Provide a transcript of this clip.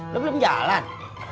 lo belum jalan